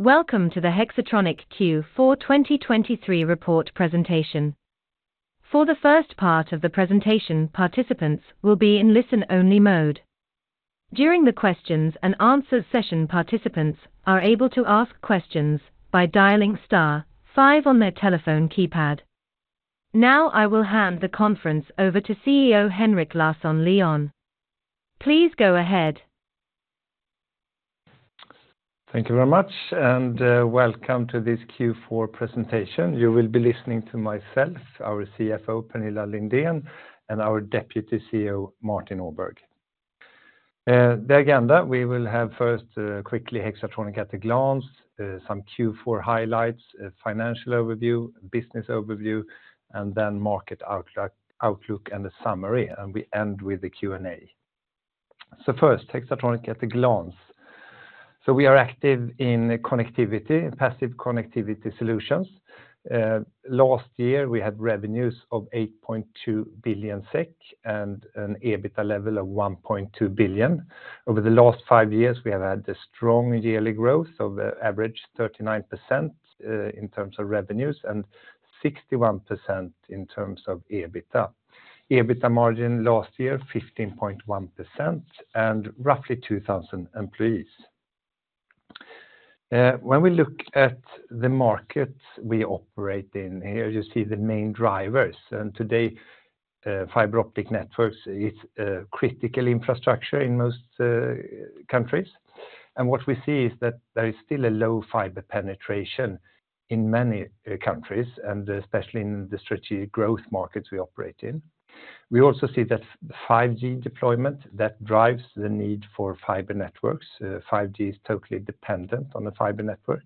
Welcome to the Hexatronic Q4 2023 report presentation. For the first part of the presentation, participants will be in listen-only mode. During the questions and answers session, participants are able to ask questions by dialing star five on their telephone keypad. Now I will hand the conference over to CEO Henrik Larsson Lyon. Please go ahead. Thank you very much, and welcome to this Q4 presentation. You will be listening to myself, our CFO Pernilla Lindén, and our Deputy CEO Martin Åberg. The agenda: we will have first quickly Hexatronic at a glance, some Q4 highlights, a financial overview, business overview, and then market outlook and a summary, and we end with the Q&A. So first, Hexatronic at a glance. We are active in passive connectivity solutions. Last year, we had revenues of 8.2 billion SEK and an EBITDA level of 1.2 billion. Over the last five years, we have had a strong yearly growth of average 39% in terms of revenues and 61% in terms of EBITDA. EBITDA margin last year 15.1% and roughly 2,000 employees. When we look at the markets we operate in here, you see the main drivers. Today, fiber optic networks are critical infrastructure in most countries. What we see is that there is still a low fiber penetration in many countries, especially in the strategic growth markets we operate in. We also see that 5G deployment drives the need for fiber networks. 5G is totally dependent on a fiber network.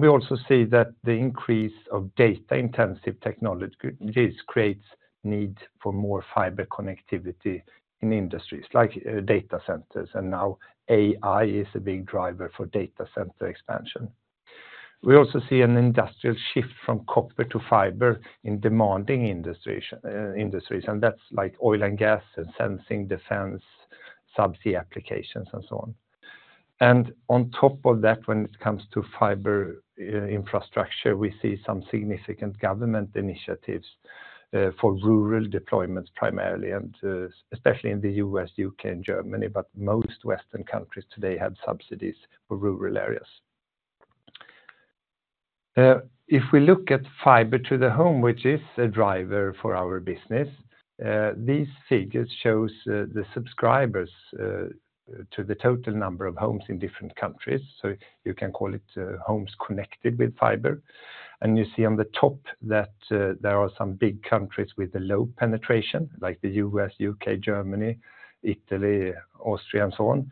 We also see that the increase of data-intensive technologies creates a need for more fiber connectivity in industries like data centers, and now AI is a big driver for data center expansion. We also see an industrial shift from copper to fiber in demanding industries, and that's oil and gas, sensing, defense, subsea applications, and so on. On top of that, when it comes to fiber infrastructure, we see some significant government initiatives for rural deployments primarily, especially in the U.S., U.K., and Germany, but most Western countries today have subsidies for rural areas. If we look at fiber to the home, which is a driver for our business, these figures show the subscribers to the total number of homes in different countries. You can call it homes connected with fiber. You see on the top that there are some big countries with low penetration, like the U.S., U.K., Germany, Italy, Austria, and so on.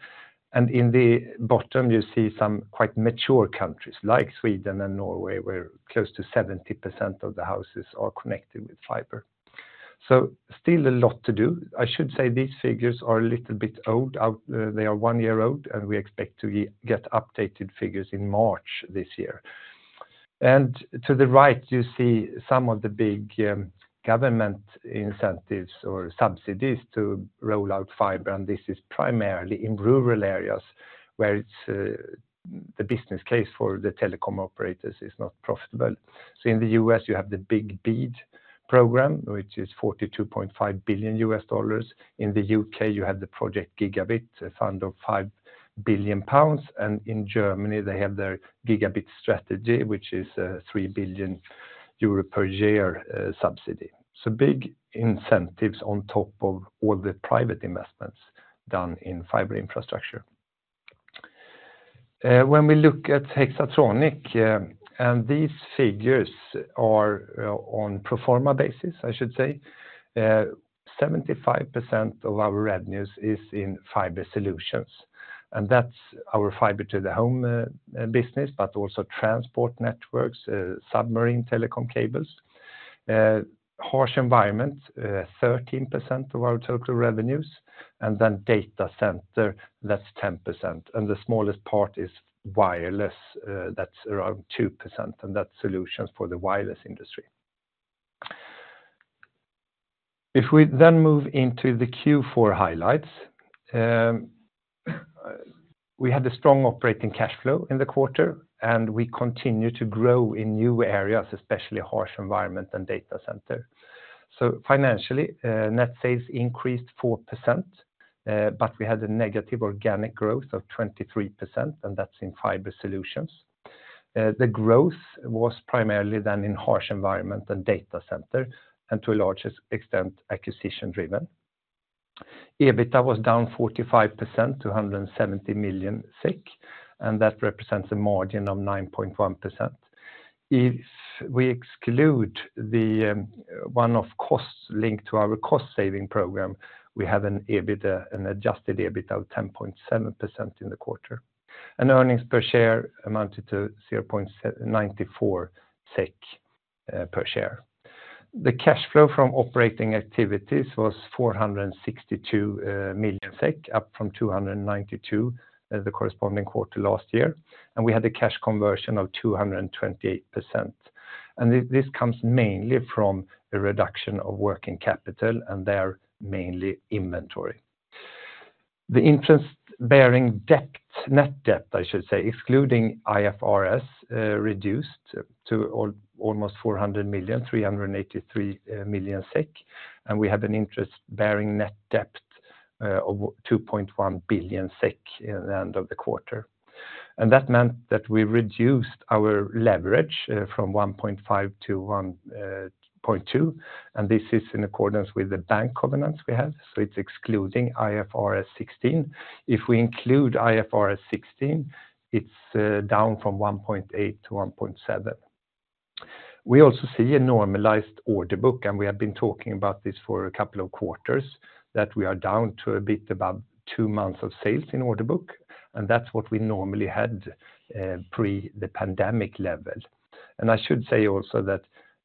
In the bottom, you see some quite mature countries like Sweden and Norway, where close to 70% of the houses are connected with fiber. Still a lot to do. I should say these figures are a little bit old. They are one year old, and we expect to get updated figures in March this year. To the right, you see some of the big government incentives or subsidies to roll out fiber, and this is primarily in rural areas where the business case for the telecom operators is not profitable. In the U.S., you have the BEAD program, which is $42.5 billion. In the U.K., you have the Project Gigabit, a fund of 5 billion pounds. In Germany, they have their Gigabit Strategy, which is a 3 billion euro per year subsidy. Big incentives on top of all the private investments done in fiber infrastructure. When we look at Hexatronic, these figures are on a pro forma basis, I should say. 75% of our revenues is in fiber solutions, and that's our fiber to the home business, but also transport networks, submarine telecom cables. Harsh Environment, 13% of our total revenues, and then data center, that's 10%. The smallest part is wireless, that's around 2%, and that's solutions for the wireless industry. If we then move into the Q4 highlights, we had a strong operating cash flow in the quarter, and we continue to grow in new areas, especially Harsh Environment and data center. Financially, net sales increased 4%, but we had a negative organic growth of 23%, and that's in fiber solutions. The growth was primarily then in Harsh Environment and data center, and to a large extent, acquisition-driven. EBITDA was down 45% to 170 million SEK, and that represents a margin of 9.1%. If we exclude one of the costs linked to our cost-saving program, we have an adjusted EBITDA of 10.7% in the quarter, and earnings per share amounted to 0.94 SEK per share. The cash flow from operating activities was 462 million SEK, up from 292 million the corresponding quarter last year. We had a cash conversion of 228%. This comes mainly from a reduction of working capital and their mainly inventory. The interest-bearing net debt, I should say, excluding IFRS, reduced to almost 400 million, 383 million SEK. We have an interest-bearing net debt of 2.1 billion SEK at the end of the quarter. That meant that we reduced our leverage from 1.5-1.2, and this is in accordance with the bank covenants we have, so it's excluding IFRS 16. If we include IFRS 16, it's down from 1.8-1.7. We also see a normalized order book, and we have been talking about this for a couple of quarters, that we are down to a bit above two months of sales in order book, and that's what we normally had pre-the pandemic level. I should say also that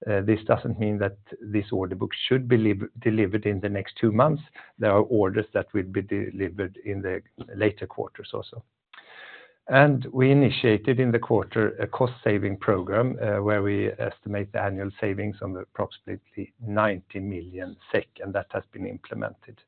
this doesn't mean that this order book should be delivered in the next 2 months. There are orders that will be delivered in the later quarters also. We initiated in the quarter a cost-saving program where we estimate the annual savings on approximately 90 million SEK, and that has been implemented.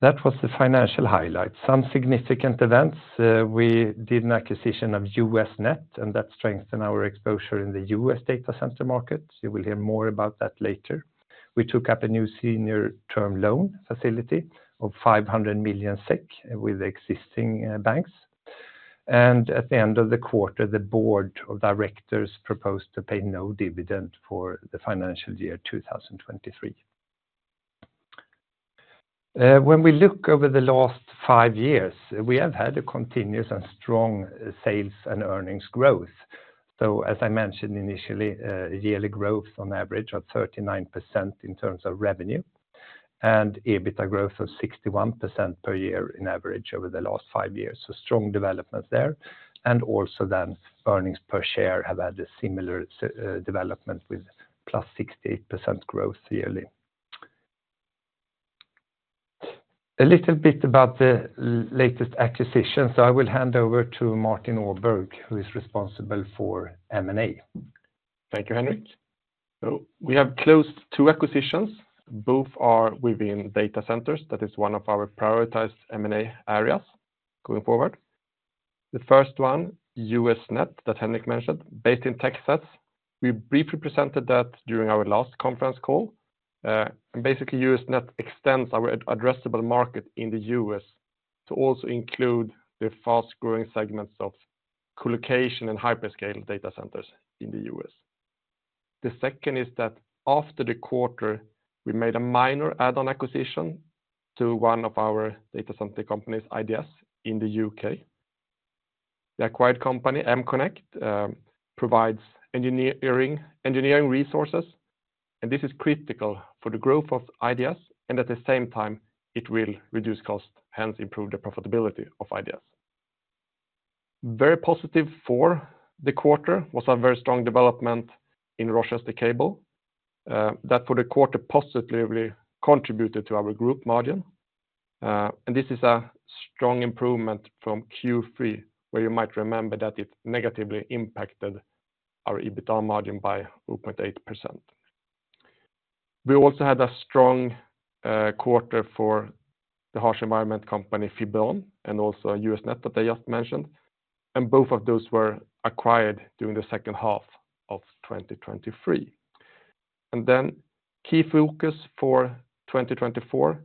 That was the financial highlights. Some significant events: we did an acquisition of U.S. Net, and that strengthened our exposure in the U.S. data center market. You will hear more about that later. We took up a new senior term loan facility of 500 million SEK with existing banks. At the end of the quarter, the board of directors proposed to pay no dividend for the financial year 2023. When we look over the last 5 years, we have had a continuous and strong sales and earnings growth. As I mentioned initially, yearly growth on average of 39% in terms of revenue and EBITDA growth of 61% per year on average over the last five years, so strong developments there. Also, then earnings per share have had a similar development with +68% growth yearly. A little bit about the latest acquisitions, so I will hand over to Martin Åberg, who is responsible for M&A. Thank you, Henrik. We have closed two acquisitions. Both are within data centers. That is one of our prioritized M&A areas going forward. The first one, U.S. Net, that Henrik mentioned, based in Texas, we briefly presented that during our last conference call, basically, U.S. Net extends our addressable market in the U.S. to also include the fast-growing segments of colocation and hyperscale data centers in the U.S. The second is that after the quarter, we made a minor add-on acquisition to one of our data center companies, IDS, in the U.K. The acquired company, M-Connect, provides engineering resources, and this is critical for the growth of IDS, and at the same time, it will reduce costs, hence improve the profitability of IDS. Very positive for the quarter was our very strong development in Rochester Cable. That for the quarter positively contributed to our group margin. This is a strong improvement from Q3, where you might remember that it negatively impacted our EBITDA margin by 0.8%. We also had a strong quarter for the Harsh Environment company, Fibron, and also U.S. Net that I just mentioned. Both of those were acquired during the second half of 2023. Then, key focus for 2024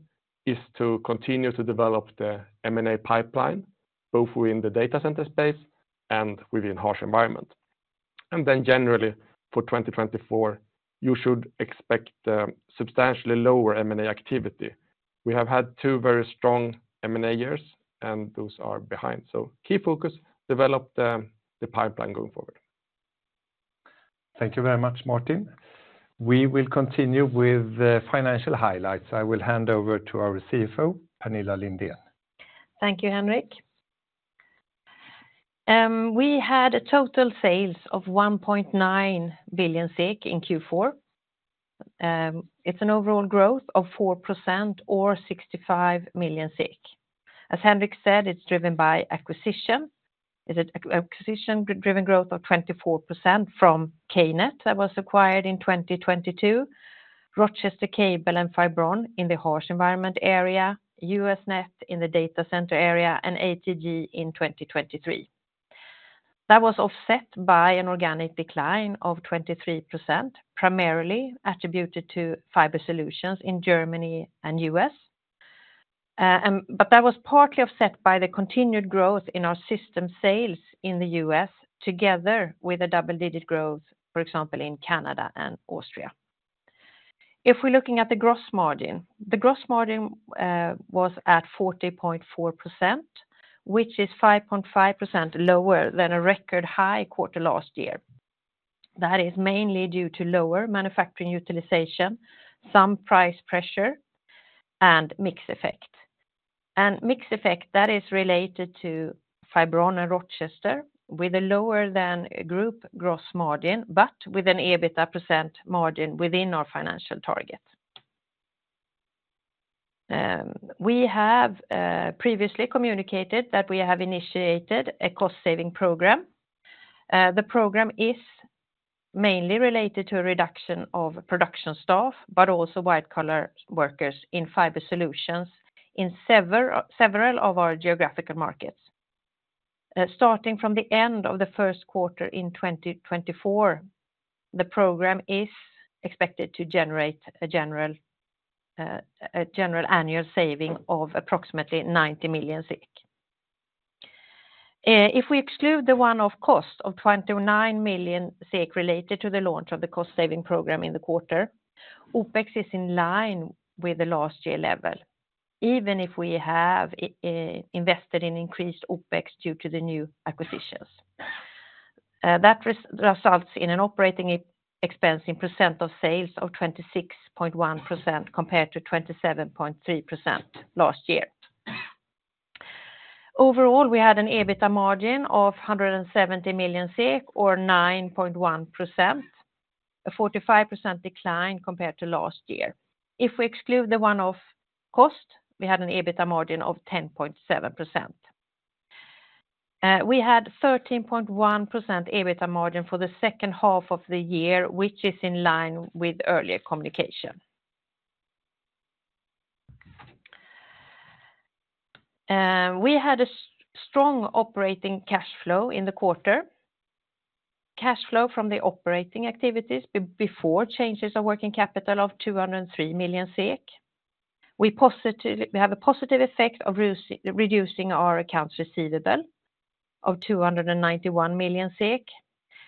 is to continue to develop the M&A pipeline, both within the data center space and within Harsh Environment. Then, generally, for 2024, you should expect substantially lower M&A activity. We have had two very strong M&A years, and those are behind. Key focus: develop the pipeline going forward. Thank you very much, Martin. We will continue with financial highlights. I will hand over to our CFO, Pernilla Lindén. Thank you, Henrik. We had a total sales of 1.9 billion in Q4. It's an overall growth of 4% or 65 million. As Henrik said, it's driven by acquisition. It's an acquisition-driven growth of 24% from KNET that was acquired in 2022, Rochester Cable and Fibron in the harsh environment area, U.S. Net in the data center area, and ATG in 2023. That was offset by an organic decline of 23%, primarily attributed to fiber solutions in Germany and the U.S.. That was partly offset by the continued growth in our system sales in the U.S., together with a double-digit growth, for example, in Canada and Austria. If we're looking at the gross margin, the gross margin was at 40.4%, which is 5.5% lower than a record high quarter last year. That is mainly due to lower manufacturing utilization, some price pressure, and mixed effect. Mixed effect that is related to Fibron and Rochester with a lower than group gross margin, but with an EBITDA % margin within our financial target. We have previously communicated that we have initiated a cost-saving program. The program is mainly related to a reduction of production staff, but also white-collar workers in fiber solutions in several of our geographical markets. Starting from the end of the first quarter in 2024, the program is expected to generate a general annual saving of approximately 90 million SEK. If we exclude the one-off cost of 29 million SEK related to the launch of the cost-saving program in the quarter, OPEX is in line with the last year level, even if we have invested in increased OPEX due to the new acquisitions. That results in an operating expense in percent of sales of 26.1% compared to 27.3% last year. Overall, we had an EBITDA margin of 170 million SEK or 9.1%, a 45% decline compared to last year. If we exclude the one-off cost, we had an EBITDA margin of 10.7%. We had 13.1% EBITDA margin for the second half of the year, which is in line with earlier communication. We had a strong operating cash flow in the quarter. Cash flow from the operating activities before changes of working capital of 203 million SEK. We have a positive effect of reducing our accounts receivable of 291 million SEK,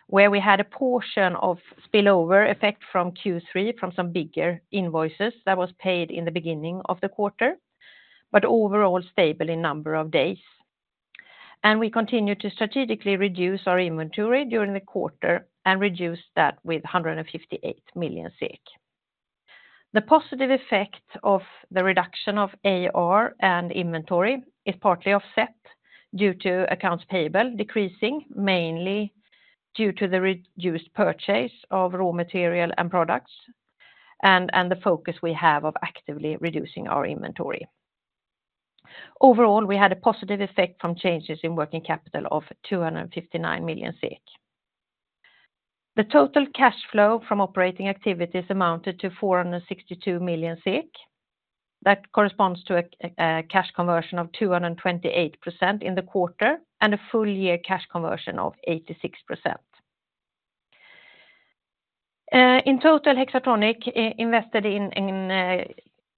where we had a portion of spillover effect from Q3 from some bigger invoices that were paid in the beginning of the quarter, but overall stable in number of days. We continued to strategically reduce our inventory during the quarter and reduced that with 158 million SEK. The positive effect of the reduction of AR and inventory is partly offset due to accounts payable decreasing, mainly due to the reduced purchase of raw material and products and the focus we have on actively reducing our inventory. Overall, we had a positive effect from changes in working capital of 259 million SEK. The total cash flow from operating activities amounted to 462 million. That corresponds to a cash conversion of 228% in the quarter and a full-year cash conversion of 86%. In total, Hexatronic invested in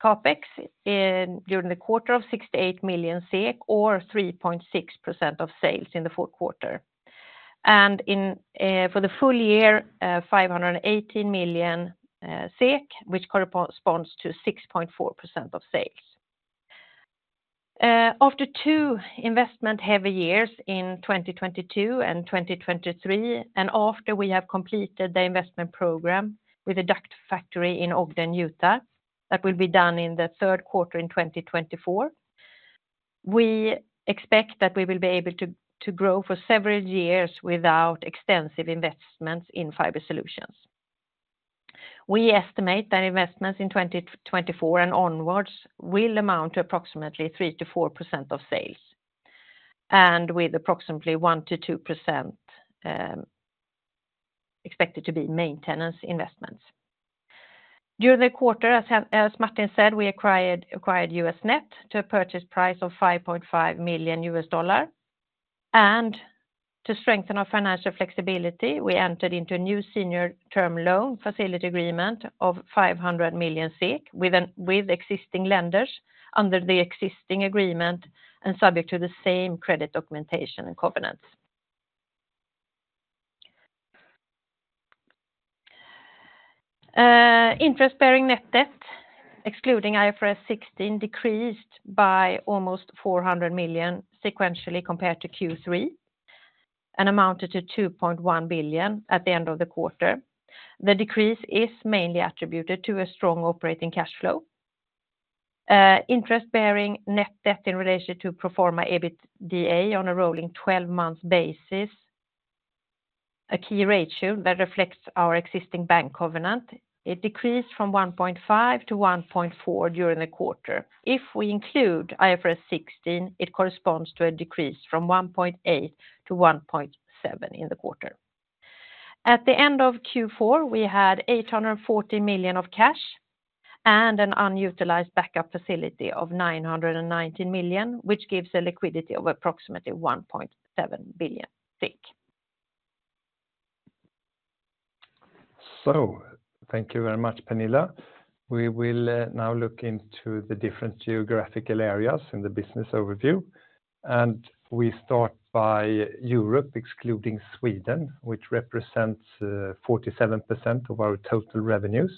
CAPEX during the quarter of 68 million SEK or 3.6% of sales in the fourth quarter. For the full year, 518 million SEK, which corresponds to 6.4% of sales. After two investment-heavy years in 2022 and 2023, and after we have completed the investment program with a duct factory in Ogden, Utah, that will be done in the third quarter in 2024, we expect that we will be able to grow for several years without extensive investments in fiber solutions. We estimate that investments in 2024 and onwards will amount to approximately 3%-4% of sales, with approximately 1%-2% expected to be maintenance investments. During the quarter, as Martin said, we acquired U.S. Net to a purchase price of $5.5 million. To strengthen our financial flexibility, we entered into a new senior term loan facility agreement of 500 million with existing lenders under the existing agreement and subject to the same credit documentation and covenants. Interest-bearing net debt, excluding IFRS 16, decreased by almost 400 million sequentially compared to Q3 and amounted to 2.1 billion at the end of the quarter. The decrease is mainly attributed to a strong operating cash flow. Interest-bearing net debt in relation to pro forma EBITDA on a rolling 12-month basis, a key ratio that reflects our existing bank covenant, decreased from 1.5%-1.4% during the quarter. If we include IFRS 16, it corresponds to a decrease from 1.8%-1.7% in the quarter. At the end of Q4, we had 840 million of cash and an unutilized backup facility of 919 million, which gives a liquidity of approximately 1.7 billion. Thank you very much, Pernilla. We will now look into the different geographical areas in the business overview. We start by Europe, excluding Sweden, which represents 47% of our total revenues.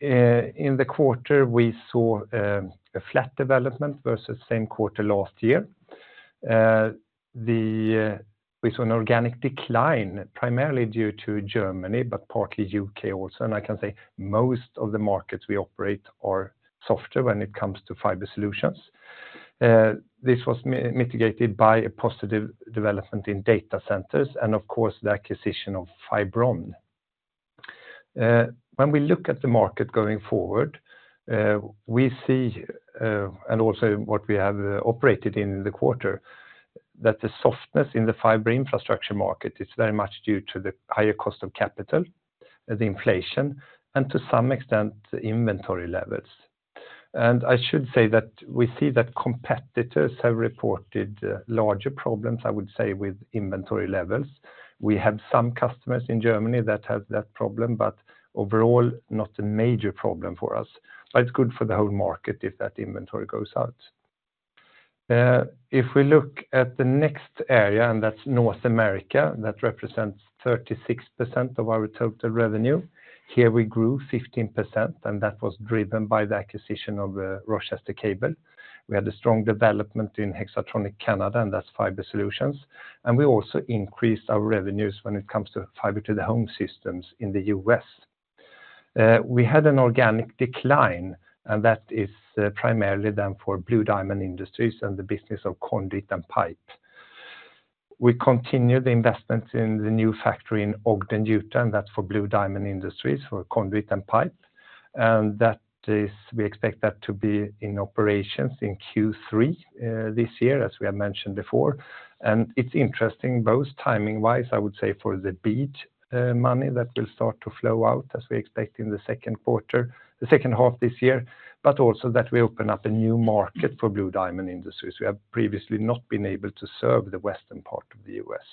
In the quarter, we saw a flat development versus the same quarter last year. We saw an organic decline, primarily due to Germany, but partly the U.K. also. I can say most of the markets we operate are softer when it comes to fiber solutions. This was mitigated by a positive development in data centers and, of course, the acquisition of Fibron. When we look at the market going forward, we see, and also what we have operated in the quarter, that the softness in the fiber infrastructure market is very much due to the higher cost of capital, the inflation, and to some extent, inventory levels. I should say that we see that competitors have reported larger problems, I would say, with inventory levels. We have some customers in Germany that have that problem, but overall, not a major problem for us. But it's good for the whole market if that inventory goes out. If we look at the next area, and that's North America, that represents 36% of our total revenue. Here, we grew 15%, and that was driven by the acquisition of Rochester Cable. We had a strong development in Hexatronic Canada, and that's fiber solutions. We also increased our revenues when it comes to fiber-to-the-home systems in the U.S. We had an organic decline, and that is primarily then for Blue Diamond Industries and the business of conduit and pipe. We continue the investments in the new factory in Ogden, Utah, and that's for Blue Diamond Industries for conduit and pipe. We expect that to be in operations in Q3 this year, as we have mentioned before. It's interesting both timing-wise, I would say, for the BEAD money that will start to flow out, as we expect in the second quarter, the second half this year, but also that we open up a new market for Blue Diamond Industries. We have previously not been able to serve the western part of the U.S.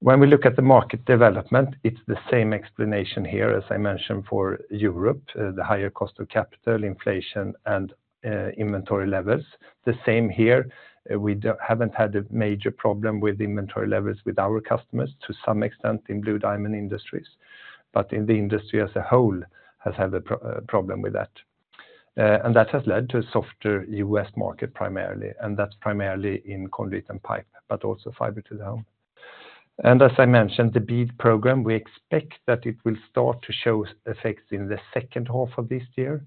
When we look at the market development, it's the same explanation here, as I mentioned, for Europe, the higher cost of capital, inflation, and inventory levels. The same here. We haven't had a major problem with inventory levels with our customers, to some extent, in Blue Diamond Industries. But the industry as a whole has had a problem with that. That has led to a softer U.S. market primarily, and that's primarily in conduit and pipe, but also fiber-to-the-home. As I mentioned, the BEAD program, we expect that it will start to show effects in the second half of this year.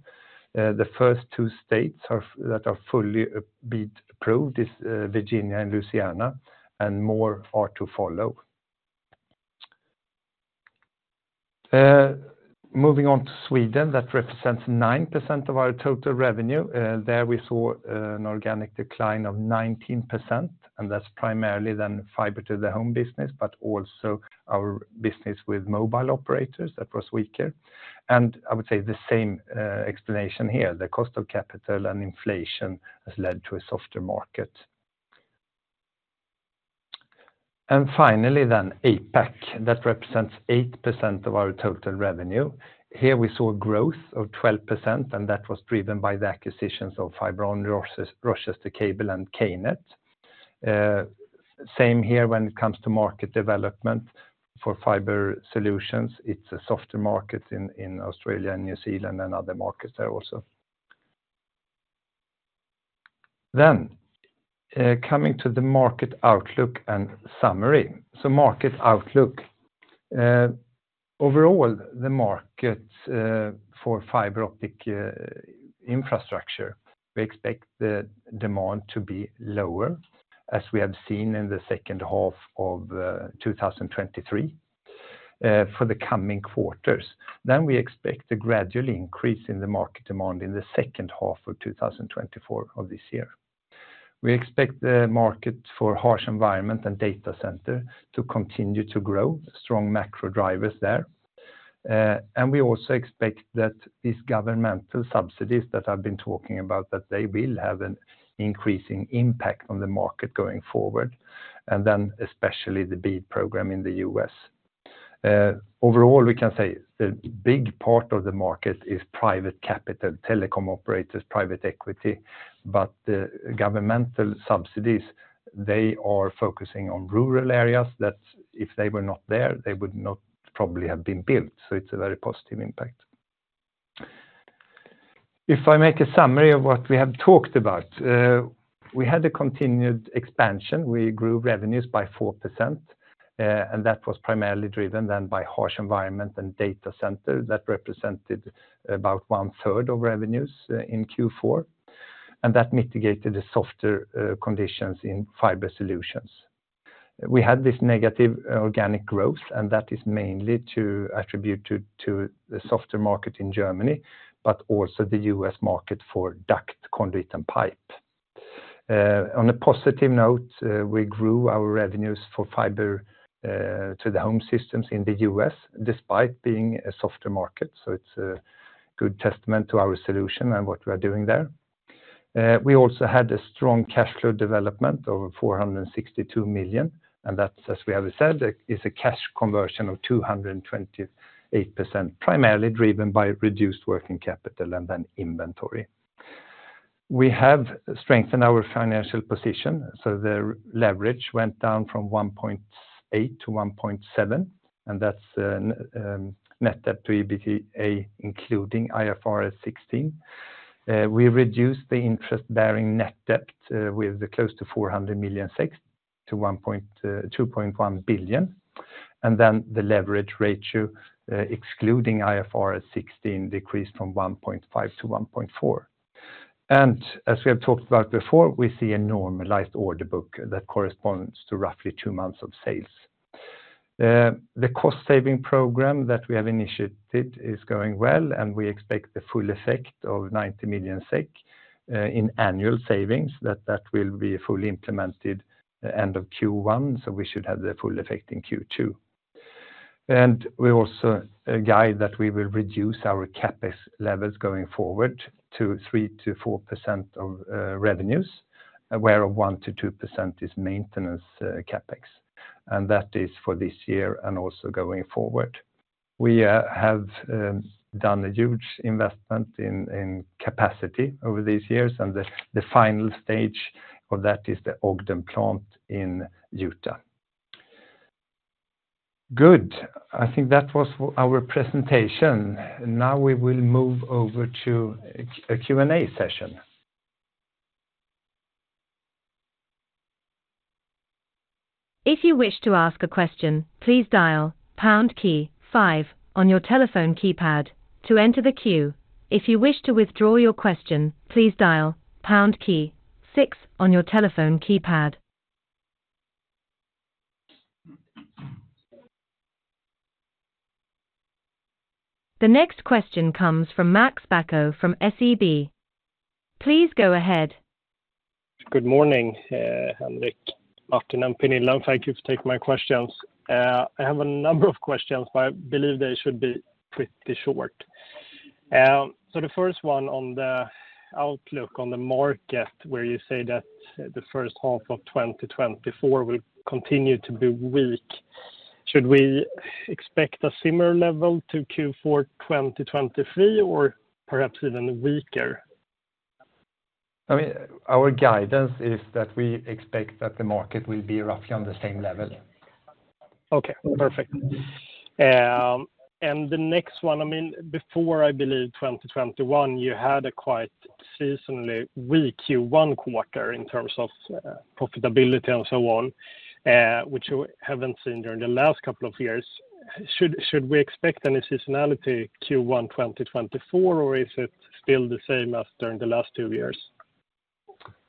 The first two states that are fully BEAD approved are Virginia and Louisiana, and more are to follow. Moving on to Sweden, that represents 9% of our total revenue. There, we saw an organic decline of 19%, and that's primarily then fiber-to-the-home business, but also our business with mobile operators that was weaker. I would say the same explanation here. The cost of capital and inflation has led to a softer market. Finally, then APAC, that represents 8% of our total revenue. Here, we saw a growth of 12%, and that was driven by the acquisitions of Fibron, Rochester Cable, and KNET. Same here when it comes to market development for fiber solutions. It's a softer market in Australia and New Zealand and other markets there also. Then, coming to the market outlook and summary. Market outlook. Overall, the market for fiber-optic infrastructure, we expect the demand to be lower, as we have seen in the second half of 2023 for the coming quarters. Then, we expect a gradual increase in the market demand in the second half of 2024 of this year. We expect the market for Harsh Environment and data center to continue to grow, strong macro drivers there. We also expect that these governmental subsidies that I've been talking about, that they will have an increasing impact on the market going forward, and then especially the BEAD program in the U.S. Overall, we can say the big part of the market is private capital, telecom operators, private equity. But the governmental subsidies, they are focusing on rural areas that, if they were not there, they would not probably have been built. So it's a very positive impact. If I make a summary of what we have talked about, we had a continued expansion. We grew revenues by 4%, and that was primarily driven then by Harsh Environment and data center that represented about one-third of revenues in Q4. That mitigated the softer conditions in fiber solutions. We had this negative organic growth, and that is mainly attributed to the softer market in Germany, but also the U.S. market for duct, conduit, and pipe. On a positive note, we grew our revenues for fiber-to-the-home systems in the U.S. despite being a softer market. So it's a good testament to our solution and what we are doing there. We also had a strong cash flow development of 462 million, and that's, as we have said, a cash conversion of 228%, primarily driven by reduced working capital and then inventory. We have strengthened our financial position. The leverage went down from 1.8%-1.7%, and that's net debt to EBITDA, including IFRS 16. We reduced the interest-bearing net debt with close to 400 million to 2.1 billion. Then, the leverage ratio, excluding IFRS 16, decreased from 1.5%-1.4%. As we have talked about before, we see a normalized order book that corresponds to roughly two months of sales. The cost-saving program that we have initiated is going well, and we expect the full effect of 90 million SEK in annual savings. That will be fully implemented end of Q1, so we should have the full effect in Q2. We also guide that we will reduce our CAPEX levels going forward to 3%-4% of revenues, where 1%-2% is maintenance CAPEX. That is for this year and also going forward. We have done a huge investment in capacity over these years, and the final stage of that is the Ogden plant in Utah. Good. I think that was our presentation. Now, we will move over to a Q&A session. If you wish to ask a question, please dial pound key 5 on your telephone keypad to enter the queue. If you wish to withdraw your question, please dial pound key 6 on your telephone keypad. The next question comes from Max Bacco from SEB. Please go ahead. Good morning, Henrik, Martin, and Pernilla. Thank you for taking my questions. I have a number of questions, but I believe they should be pretty short. The first one on the outlook on the market, where you say that the first half of 2024 will continue to be weak, should we expect a similar level to Q4 2023 or perhaps even weaker? Our guidance is that we expect that the market will be roughly on the same level. Okay, perfect. The next one, before I believe 2021, you had a quite seasonally weak Q1 quarter in terms of profitability and so on, which we haven't seen during the last couple of years. Should we expect any seasonality Q1 2024, or is it still the same as during the last two years?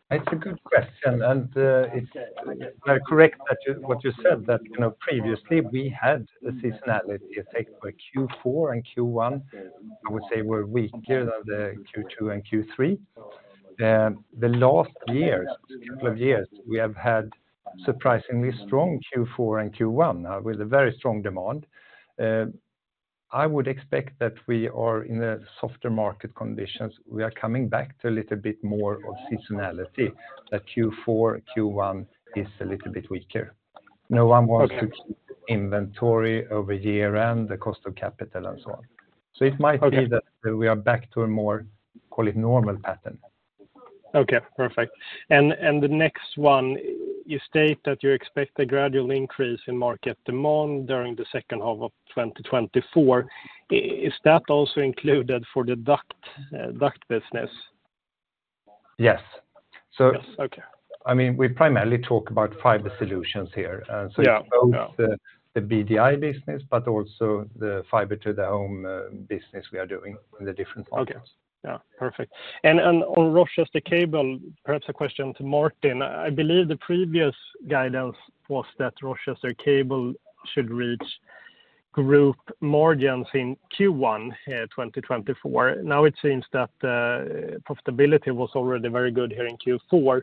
It's a good question. It's correct what you said, that previously we had a seasonality effect where Q4 and Q1, I would say, were weaker than the Q2 and Q3. The last couple of years, we have had surprisingly strong Q4 and Q1 with a very strong demand. I would expect that we are in the softer market conditions. We are coming back to a little bit more of seasonality, that Q4, Q1 is a little bit weaker. No one wants to keep inventory over year-end, the cost of capital, and so on. It might be that we are back to a more, call it, normal pattern. Okay, perfect. The next one, you state that you expect a gradual increase in market demand during the second half of 2024. Is that also included for the duct business? Yes. We primarily talk about fiber solutions here. It's both the BDI business but also the fiber-to-the-home business we are doing in the different markets. Perfect. On Rochester Cable, perhaps a question to Martin. I believe the previous guidance was that Rochester Cable should reach group margins in Q1 2024. Now, it seems that profitability was already very good here in Q4.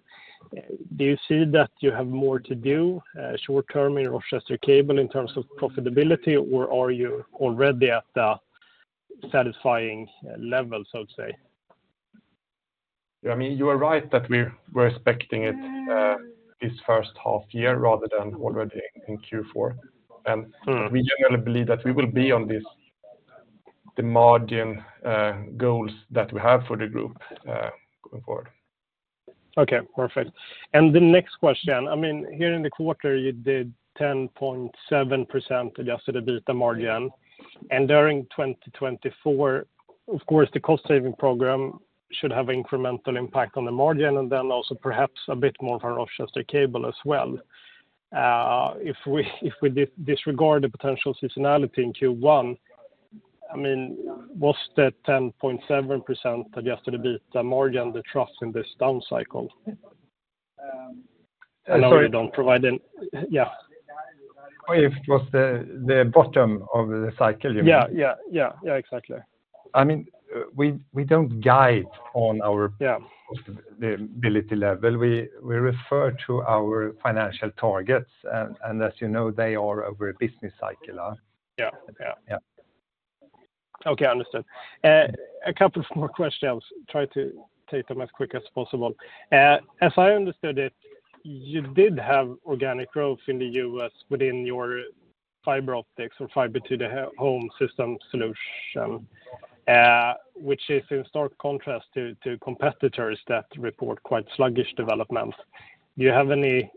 Do you see that you have more to do short-term in Rochester Cable in terms of profitability, or are you already at the satisfying level, so to say? You are right that we were expecting it this first half year rather than already in Q4. We generally believe that we will be on the margin goals that we have for the group going forward. Okay, perfect. The next question. Here in the quarter, you did 10.7% adjusted EBITDA margin. During 2024, of course, the cost-saving program should have an incremental impact on the margin and then also perhaps a bit more for Rochester Cable as well. If we disregard the potential seasonality in Q1, was the 10.7% adjusted EBITDA margin the trough in this downcycle? I know you don't provide an yeah. If it was the bottom of the cycle, you mean? Yeah, yeah, yeah, exactly. We don't guide on our profitability level. We refer to our financial targets, and as you know, they are over a business cycle. Yeah, yeah, yeah. Okay, understood. A couple more questions. I'll try to take them as quick as possible. As I understood it, you did have organic growth in the U.S. within your fiber optics or fiber-to-the-home system solution, which is in stark contrast to competitors that report quite sluggish development. Do you have any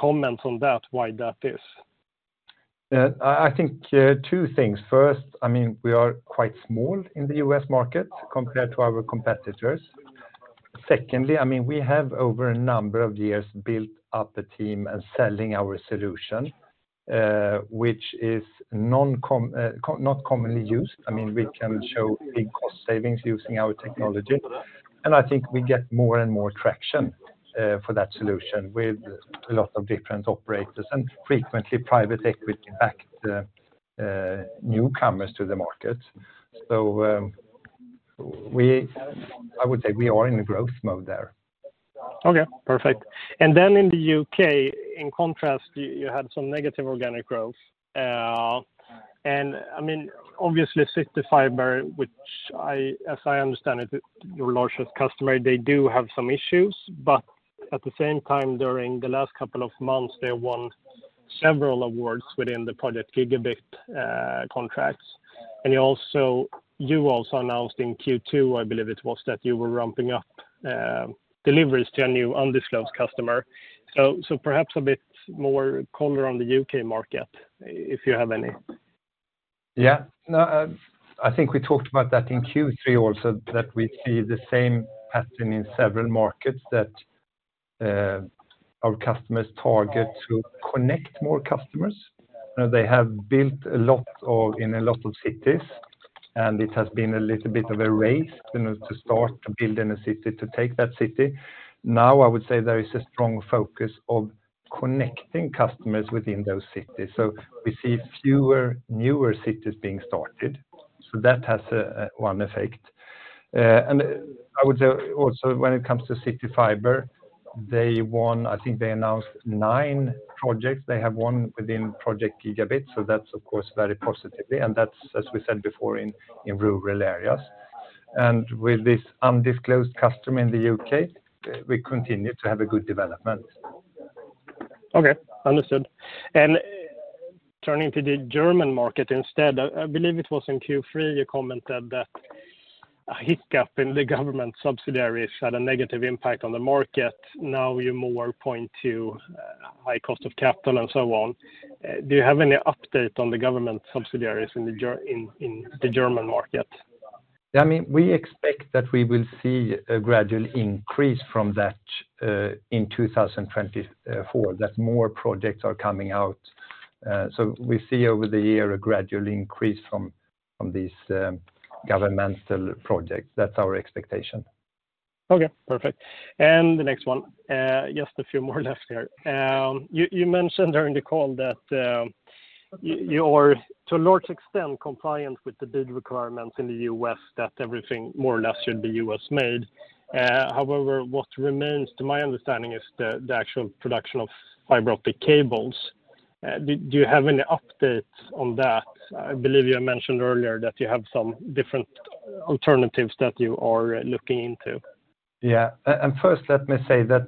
comments on why that is? I think two things. First, we are quite small in the U.S. market compared to our competitors. Secondly, we have over a number of years built up a team and selling our solution, which is not commonly used. We can show big cost savings using our technology, and I think we get more and more traction for that solution with a lot of different operators and frequently private equity-backed newcomers to the market. I would say we are in a growth mode there. Okay, perfect. Then in the U.K., in contrast, you had some negative organic growth. Obviously, CityFibre, as I understand it, your largest customer, they do have some issues, but at the same time, during the last couple of months, they won several awards within the Project Gigabit contracts. You also announced in Q2, I believe it was, that you were ramping up deliveries to a new undisclosed customer. Perhaps a bit more color on the U.K. market if you have any. Yeah. I think we talked about that in Q3 also, that we see the same pattern in several markets, that our customers target to connect more customers. They have built a lot in a lot of cities, and it has been a little bit of a race to start building a city, to take that city. Now, I would say there is a strong focus of connecting customers within those cities. We see fewer newer cities being started, so that has one effect. I would say also, when it comes to CityFibre, I think they announced nine projects. They have one within Project Gigabit, so that's, of course, very positively. That's, as we said before, in rural areas. With this undisclosed customer in the U.K., we continue to have a good development. Okay, understood. Turning to the German market instead, I believe it was in Q3 you commented that a hiccup in the government subsidies had a negative impact on the market. Now, you more point to high cost of capital and so on. Do you have any update on the government subsidies in the German market? We expect that we will see a gradual increase from that in 2024, that more projects are coming out. We see over the year a gradual increase from these governmental projects. That's our expectation. Okay, perfect. The next one, just a few more left here. You mentioned during the call that you are, to a large extent, compliant with the BEAD requirements in the U.S., that everything more or less should be U.S.-made. However, what remains, to my understanding, is the actual production of fiber optic cables. Do you have any updates on that? I believe you mentioned earlier that you have some different alternatives that you are looking into. Yeah. First, let me say that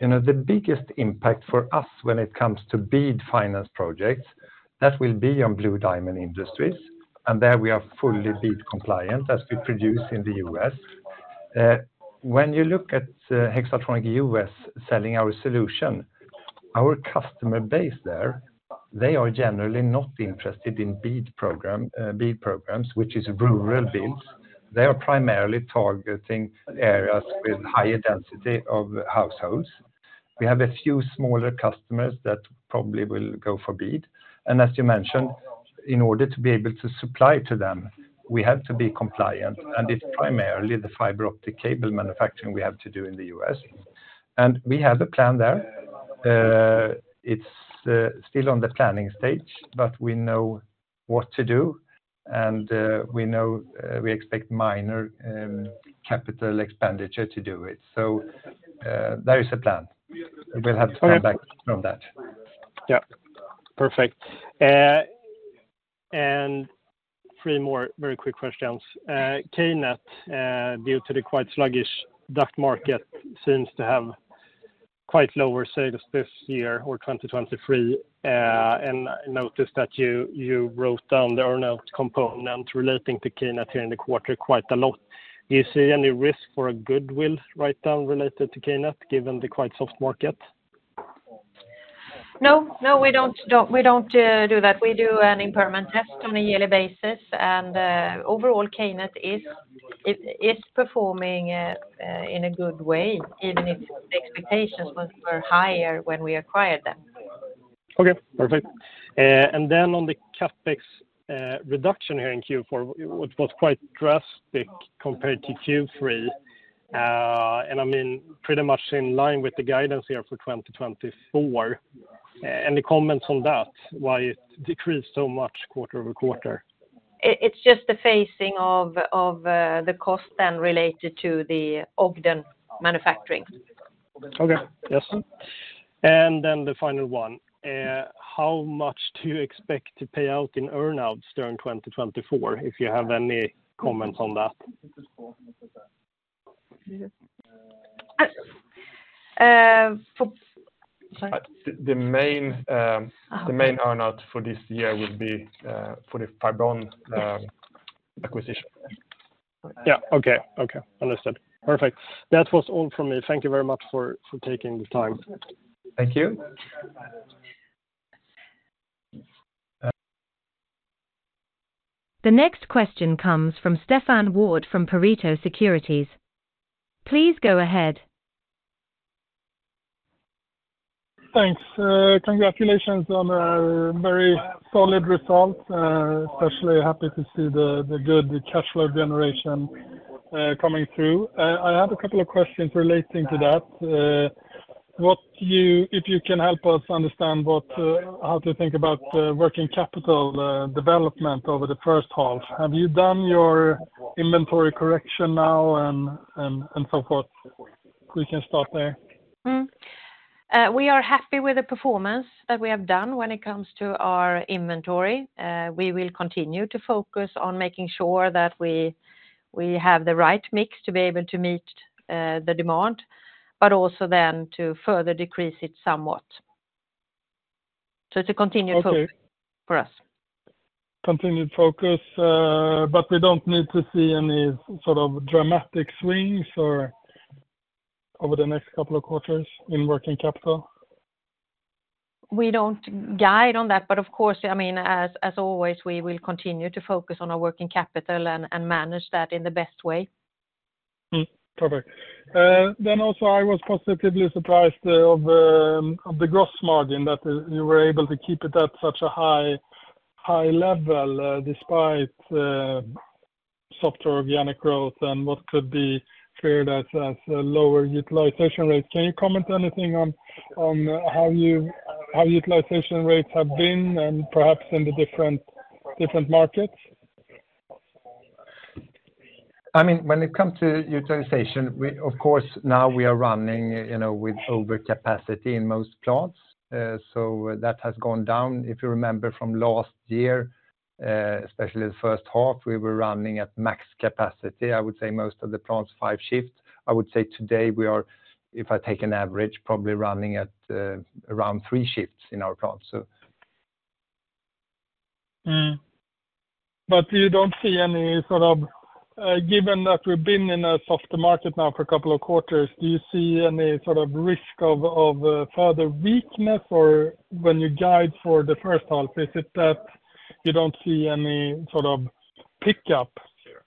the biggest impact for us when it comes to BEAD-financed projects, that will be on Blue Diamond Industries, and there we are fully BEAD compliant as we produce in the U.S. When you look at Hexatronic U.S. selling our solution, our customer base there, they are generally not interested in BEAD programs, which is rural builds. They are primarily targeting areas with higher density of households. We have a few smaller customers that probably will go for BEAD. As you mentioned, in order to be able to supply to them, we have to be compliant, and it's primarily the fiber optic cable manufacturing we have to do in the U.S. We have a plan there. It's still on the planning stage, but we know what to do, and we expect minor capital expenditure to do it. There is a plan. We'll have to come back from that. Yeah, perfect. Three more very quick questions. KNET, due to the quite sluggish duct market, seems to have quite lower sales this year or 2023. I noticed that you wrote down the earnout component relating to KNET here in the quarter quite a lot. Do you see any risk for a goodwill write-down related to KNET given the quite soft market? No, we don't do that. We do an impairment test on a yearly basis, and overall, KNET is performing in a good way, even if the expectations were higher when we acquired them. Okay, perfect. Then on the CAPEX reduction here in Q4, it was quite drastic compared to Q3, and pretty much in line with the guidance here for 2024. Any comments on that, why it decreased so much quarter-over-quarter? It's just the phasing of the cost then related to the Ogden manufacturing. Okay, yes. Then the final one. How much do you expect to pay out in earnouts during 2024 if you have any comments on that? The main earnout for this year will be for the Fibron acquisition. Yeah, okay, okay, understood. Perfect. That was all from me. Thank you very much for taking the time. Thank you. The next question comes from Stefan Wård from Pareto Securities. Please go ahead. Thanks. Congratulations on a very solid result. Especially happy to see the good cash flow generation coming through. I have a couple of questions relating to that. If you can help us understand how to think about working capital development over the first half, have you done your inventory correction now and so forth? We can start there. We are happy with the performance that we have done when it comes to our inventory. We will continue to focus on making sure that we have the right mix to be able to meet the demand, but also then to further decrease it somewhat. It's a continued focus for us. Continued focus, but we don't need to see any sort of dramatic swings over the next couple of quarters in working capital? We don't guide on that, but of course, as always, we will continue to focus on our working capital and manage that in the best way. Perfect. Then also, I was positively surprised of the gross margin, that you were able to keep it at such a high level despite softer organic growth and what could be cleared as a lower utilization rate. Can you comment anything on how utilization rates have been and perhaps in the different markets? When it comes to utilization, of course, now we are running with overcapacity in most plants. That has gone down. If you remember from last year, especially the first half, we were running at max capacity. I would say most of the plants, 5 shifts. I would say today, if I take an average, probably running at around 3 shifts in our plants. But you don't see any sort of, given that we've been in a softer market now for a couple of quarters, do you see any sort of risk of further weakness? When you guide for the first half, is it that you don't see any sort of pickup,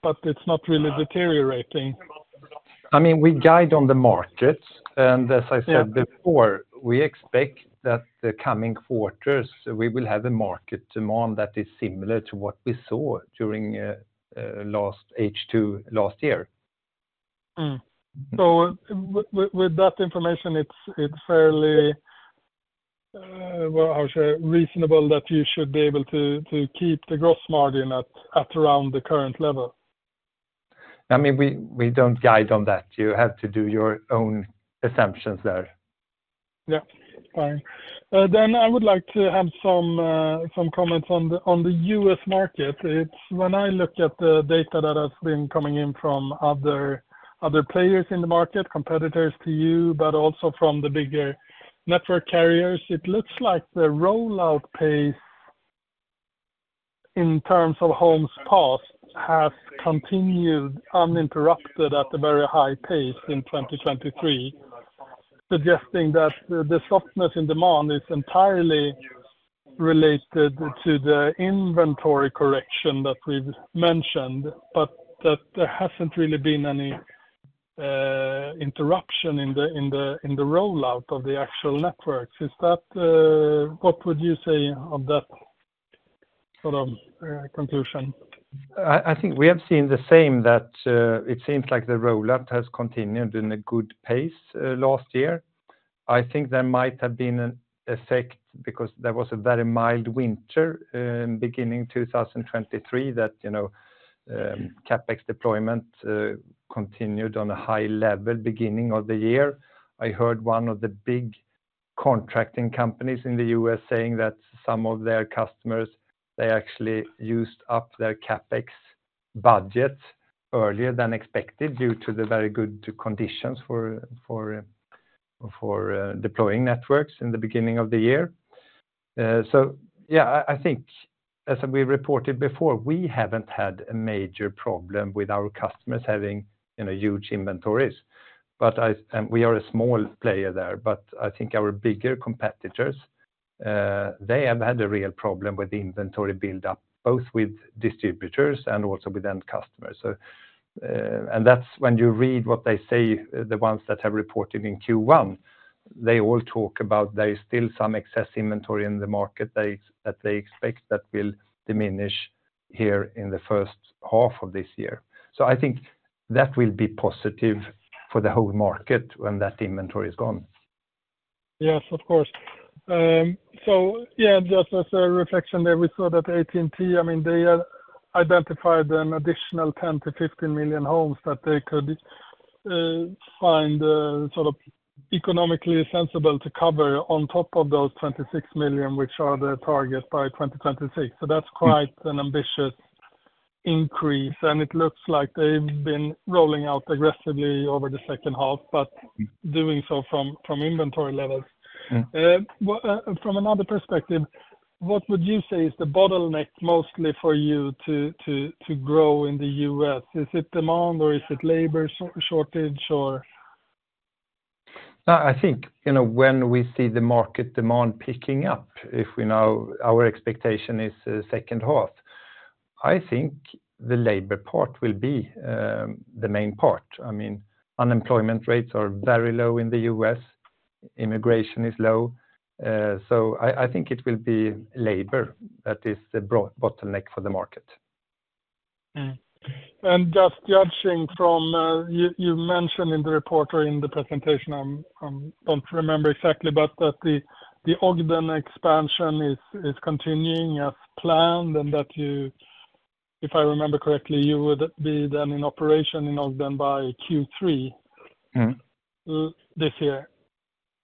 but it's not really deteriorating? We guide on the markets, and as I said before, we expect that the coming quarters, we will have a market demand that is similar to what we saw during H2 last year. With that information, it's fairly reasonable that you should be able to keep the gross margin at around the current level. We don't guide on that. You have to do your own assumptions there. Yeah, fine. Then I would like to have some comments on the U.S. market. When I look at the data that has been coming in from other players in the market, competitors to you, but also from the bigger network carriers, it looks like the rollout pace in terms of homes passed has continued uninterrupted at a very high pace in 2023, suggesting that the softness in demand is entirely related to the inventory correction that we've mentioned, but that there hasn't really been any interruption in the rollout of the actual networks. What would you say on that sort of conclusion? I think we have seen the same, that it seems like the rollout has continued in a good pace last year. I think there might have been an effect because there was a very mild winter beginning 2023 that CAPEX deployment continued on a high level beginning of the year. I heard one of the big contracting companies in the U.S. saying that some of their customers, they actually used up their CAPEX budget earlier than expected due to the very good conditions for deploying networks in the beginning of the year. Yeah, I think, as we reported before, we haven't had a major problem with our customers having huge inventories, but we are a small player there. I think our bigger competitors, they have had a real problem with inventory buildup, both with distributors and also with end customers. When you read what they say, the ones that have reported in Q1, they all talk about there is still some excess inventory in the market that they expect that will diminish here in the first half of this year. I think that will be positive for the whole market when that inventory is gone. Yes, of course. Just as a reflection there, we saw that AT&T, they identified an additional 10-15 million homes that they could find sort of economically sensible to cover on top of those 26 million, which are the target by 2026. That's quite an ambitious increase, and it looks like they've been rolling out aggressively over the second half, but doing so from inventory levels. From another perspective, what would you say is the bottleneck mostly for you to grow in the U.S.? Is it demand or is it labor shortage? I think when we see the market demand picking up, if our expectation is second half, I think the labor part will be the main part. Unemployment rates are very low in the U.S. Immigration is low. I think it will be labor that is the bottleneck for the market. Just judging from you mentioned in the report or in the presentation, I don't remember exactly, but that the Ogden expansion is continuing as planned and that, if I remember correctly, you would be then in operation in Ogden by Q3 this year.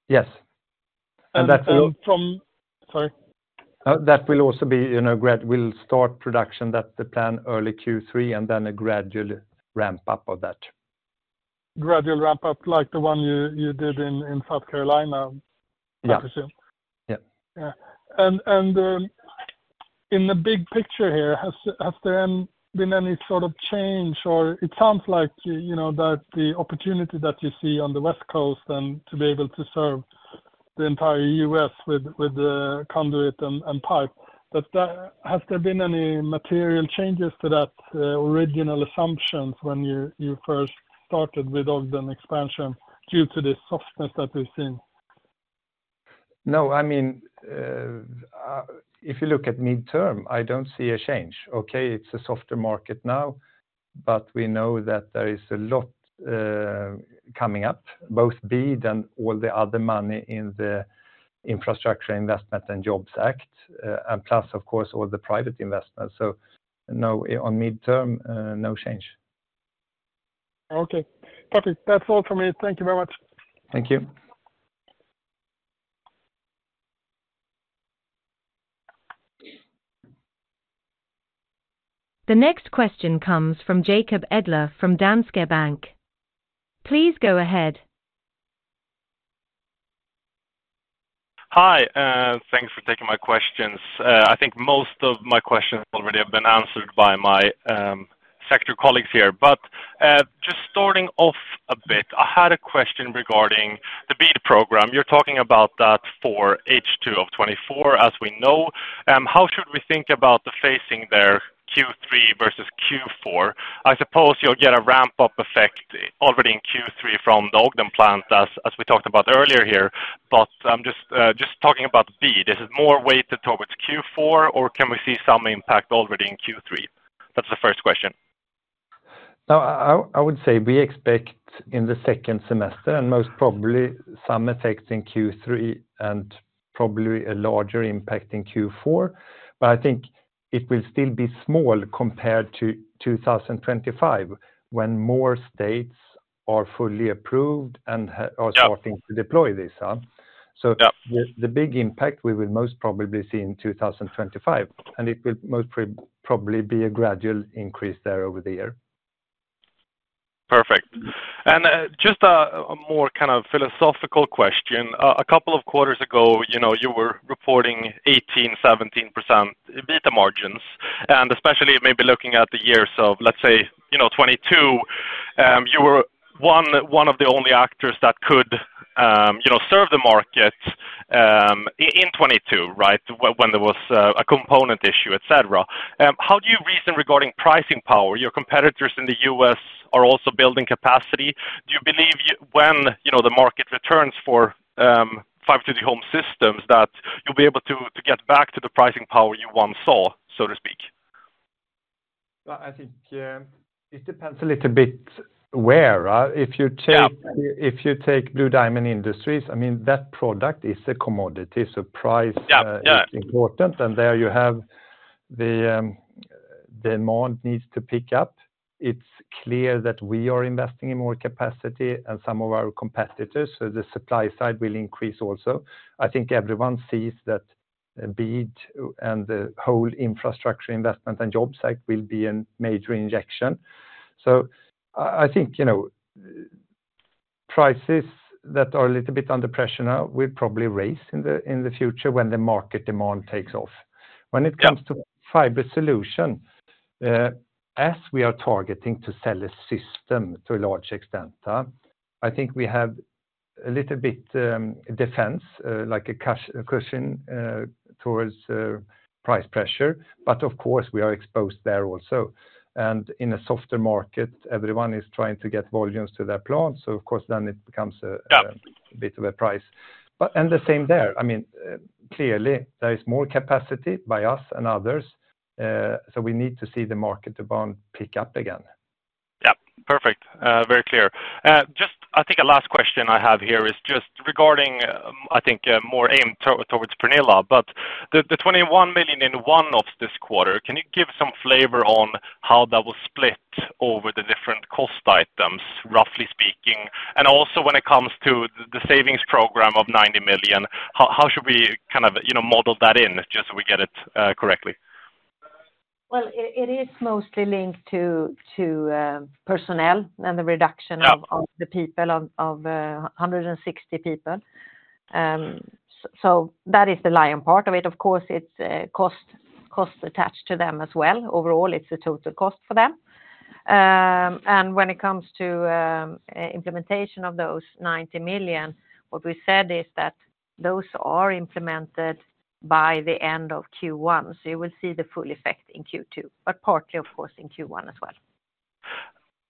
Yes. Sorry. That will also be. We'll start production, that's the plan, early Q3, and then a gradual ramp-up of that. Gradual ramp-up like the one you did in South Carolina, I presume. Yeah. In the big picture here, has there been any sort of change? It sounds like that the opportunity that you see on the West Coast and to be able to serve the entire U.S. with conduit and pipe, has there been any material changes to that original assumptions when you first started with Ogden expansion due to this softness that we've seen? No, if you look at mid-term, I don't see a change. Okay, it's a softer market now, but we know that there is a lot coming up, both BEAD and all the other money in the Infrastructure Investment and Jobs Act, and plus, of course, all the private investments. No, on mid-term, no change. Okay, perfect. That's all from me. Thank you very much. Thank you. The next question comes from Jacob Edler from Danske Bank. Please go ahead. Hi. Thanks for taking my questions. I think most of my questions already have been answered by my sector colleagues here. Just starting off a bit, I had a question regarding the BEAD program. You're talking about that for H2 of 2024, as we know. How should we think about the facing there, Q3 versus Q4? I suppose you'll get a ramp-up effect already in Q3 from the Ogden plant, as we talked about earlier here, but I'm just talking about BEAD. Is it more weighted towards Q4, or can we see some impact already in Q3? That's the first question. I would say we expect in the second semester, and most probably some effects in Q3 and probably a larger impact in Q4, but I think it will still be small compared to 2025 when more states are fully approved and are starting to deploy these. The big impact we will most probably see in 2025, and it will most probably be a gradual increase there over the year. Perfect. Just a more kind of philosophical question. A couple of quarters ago, you were reporting 18%, 17% EBITDA margins, and especially maybe looking at the years of, let's say, 2022, you were one of the only actors that could serve the market in 2022, right, when there was a component issue, et cetera. How do you reason regarding pricing power? Your competitors in the U.S. are also building capacity. Do you believe when the market returns for FTTH systems that you'll be able to get back to the pricing power you once saw, so to speak? I think it depends a little bit where. If you take Blue Diamond Industries, that product is a commodity, so price is important, and there you have the demand needs to pick up. It's clear that we are investing in more capacity and some of our competitors, so the supply side will increase also. I think everyone sees that BEAD and the whole Infrastructure Investment and Jobs Act will be a major injection. I think prices that are a little bit under pressure now will probably rise in the future when the market demand takes off. When it comes to fiber solution, as we are targeting to sell a system to a large extent, I think we have a little bit of defense, like a cushion towards price pressure, but of course, we are exposed there also. In a softer market, everyone is trying to get volumes to their plant, so of course, then it becomes a bit of a price. The same there. Clearly, there is more capacity by us and others, so we need to see the market demand pick up again. Yeah, perfect. Very clear. I think a last question I have here is just regarding, I think, more aimed towards Pernilla, but the 21 million one-off this quarter, can you give some flavor on how that will split over the different cost items, roughly speaking? Also, when it comes to the savings program of 90 million, how should we kind of model that in just so we get it correctly? Well, it is mostly linked to personnel and the reduction of the people, of 160 people. That is the lion part of it. Of course, it's cost attached to them as well. Overall, it's a total cost for them. When it comes to implementation of those 90 million, what we said is that those are implemented by the end of Q1, so you will see the full effect in Q2, but partly, of course, in Q1 as well.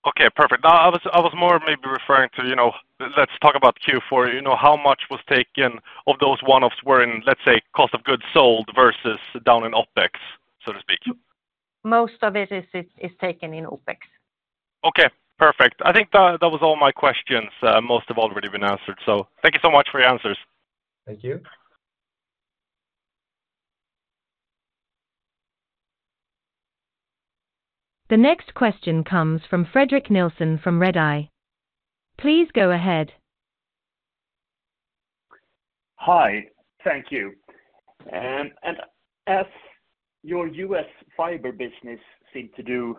Okay, perfect. I was more maybe referring to, let's talk about Q4. How much was taken of those one-offs wherein, let's say, cost of goods sold versus down in OPEX, so to speak? Most of it is taken in OPEX. Okay, perfect. I think that was all my questions. Most have already been answered. Thank you so much for your answers. Thank you. The next question comes from Fredrik Nilsson from Redeye. Please go ahead. Hi, thank you. As your U.S. fiber business seemed to do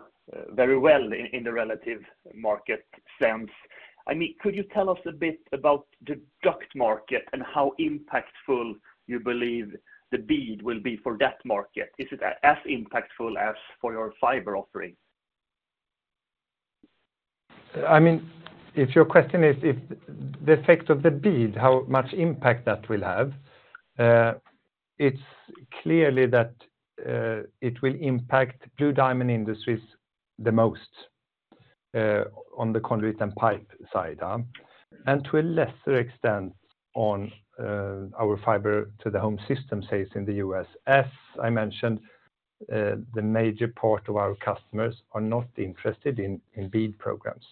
very well in the relative market sense, could you tell us a bit about the duct market and how impactful you believe the bid will be for that market? Is it as impactful as for your fiber offering? If your question is the effect of the bid, how much impact that will have, it's clearly that it will impact Blue Diamond Industries the most on the conduit and pipe side, and to a lesser extent on our fiber-to-the-home system, say, in the U.S. As I mentioned, the major part of our customers are not interested in bid programs.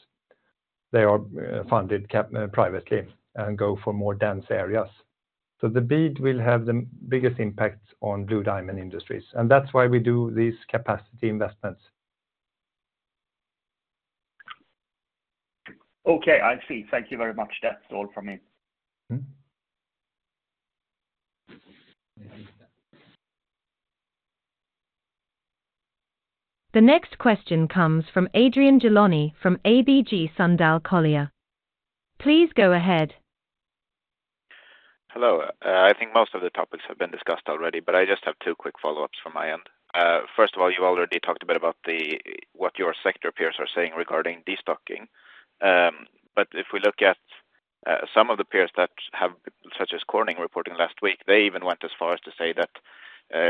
They are funded privately and go for more dense areas. The bid will have the biggest impact on Blue Diamond Industries, and that's why we do these capacity investments. Okay, I see. Thank you very much. That's all from me. The next question comes from Adrian Gilani from ABG Sundal Collier. Please go ahead. Hello. I think most of the topics have been discussed already, but I just have two quick follow-ups from my end. First of all, you've already talked a bit about what your sector peers are saying regarding destocking. If we look at some of the peers such as Corning reporting last week, they even went as far as to say that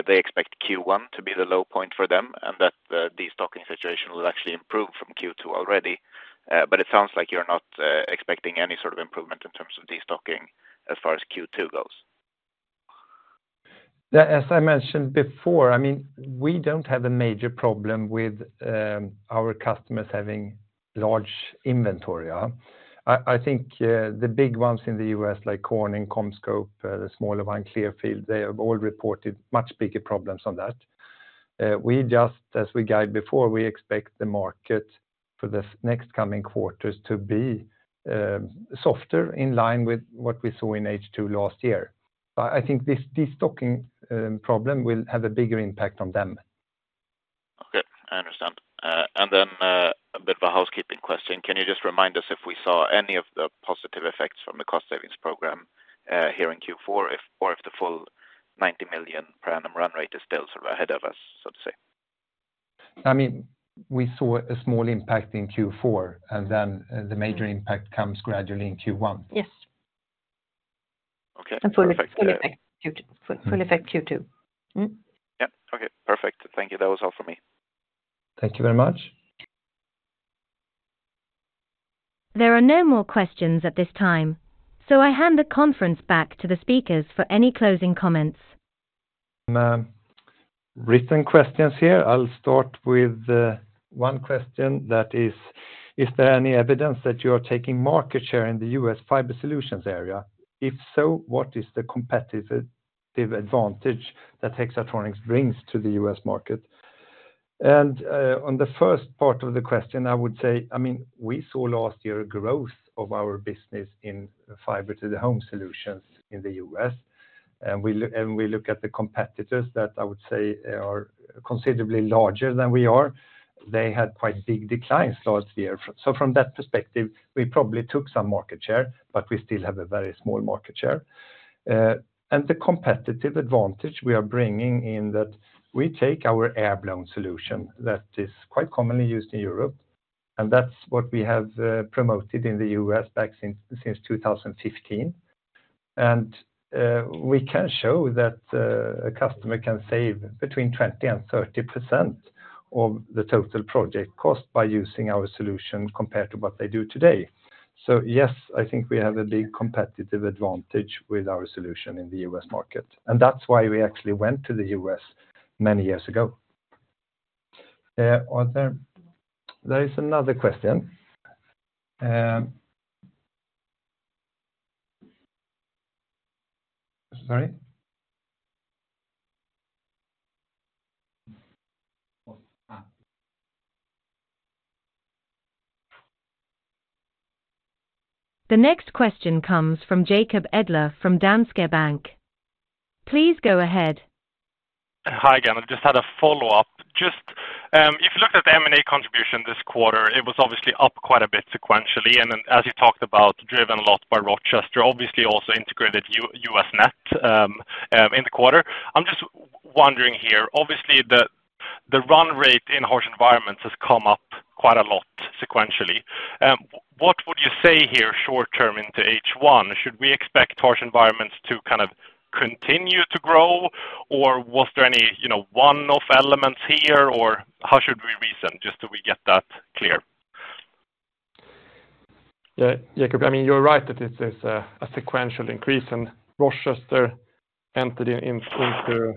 they expect Q1 to be the low point for them and that the destocking situation will actually improve from Q2 already. It sounds like you're not expecting any sort of improvement in terms of destocking as far as Q2 goes. As I mentioned before, we don't have a major problem with our customers having large inventory. I think the big ones in the U.S., like Corning, CommScope, the smaller one, Clearfield, they have all reported much bigger problems on that. As we guided before, we expect the market for the next coming quarters to be softer in line with what we saw in H2 last year. I think this destocking problem will have a bigger impact on them. Okay, I understand. Then a bit of a housekeeping question. Can you just remind us if we saw any of the positive effects from the cost savings program here in Q4, or if the full 90 million per annum run rate is still sort of ahead of us, so to say? We saw a small impact in Q4, and then the major impact comes gradually in Q1. Yes. Full effect Q2. Okay, perfect. Thank you. That was all from me. Thank you very much. There are no more questions at this time, so I hand the conference back to the speakers for any closing comments. Some written questions here. I'll start with one question that is, is there any evidence that you are taking market share in the U.S. fiber solutions area? If so, what is the competitive advantage that Hexatronic's brings to the U.S. market? On the first part of the question, I would say we saw last year a growth of our business in fiber-to-the-home solutions in the U.S. When we look at the competitors that I would say are considerably larger than we are, they had quite big declines there. From that perspective, we probably took some market share, but we still have a very small market share. The competitive advantage we are bringing in that we take our air-blown solution that is quite commonly used in Europe, and that's what we have promoted in the U.S. since 2015. We can show that a customer can save between 20%-30% of the total project cost by using our solution compared to what they do today. Yes, I think we have a big competitive advantage with our solution in the U.S. market, and that's why we actually went to the U.S. many years ago. There is another question. Sorry? The next question comes from Jacob Edler from Danske Bank. Please go ahead. Hi again. I just had a follow-up. If you looked at the M&A contribution this quarter, it was obviously up quite a bit sequentially, and as you talked about, driven a lot by Rochester, obviously also integrated U.S. Net in the quarter. I'm just wondering here, obviously, the run rate in harsh environments has come up quite a lot sequentially. What would you say here short-term into H1? Should we expect harsh environments to kind of continue to grow, or was there any one-off elements here, or how should we reason just so we get that clear? Yeah, Jacob, you're right that it's a sequential increase. Rochester Cable entered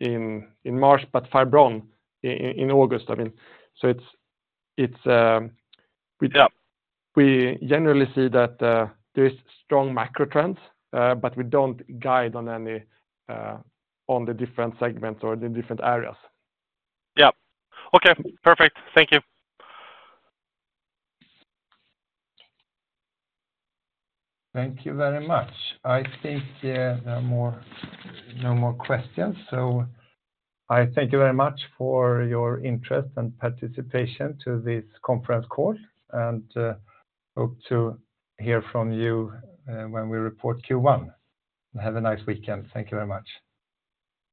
in March, but Fibron in August. We generally see that there are strong macro trends, but we don't guide on the different segments or the different areas. Yeah. Okay, perfect. Thank you. Thank you very much. I think there are no more questions. I thank you very much for your interest and participation to this conference call, and hope to hear from you when we report Q1. Have a nice weekend. Thank you very much.